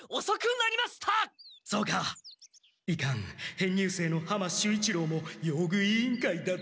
編入生の浜守一郎も用具委員会だった。